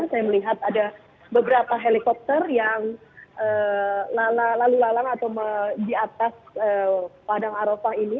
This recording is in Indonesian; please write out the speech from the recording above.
saya melihat ada beberapa helikopter yang lalu lalang atau di atas padang arofah ini